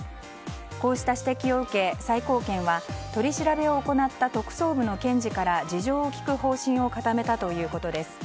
こうした指摘を受け、最高検は取り調べを行った特捜部の検事から事情を聴く方針を固めたということです。